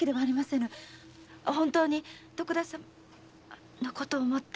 本当に徳田様のことを思って。